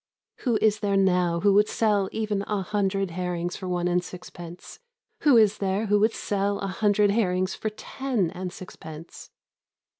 Who is there now who would sell even a hundred herrings for one and sixpence? Who is there who would sell a hundred herrings for ten and sixpence?